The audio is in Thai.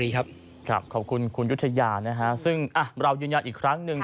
ขอบคุณคุณยุธยานะฮะซึ่งเรายืนยันอีกครั้งหนึ่ง